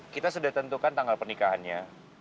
kita sudah tentukan tanggal pernikahannya